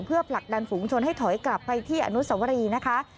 เพื่อผลักดันฝูงชนให้ถอยกลับไปที่อนุสวรีนะคะ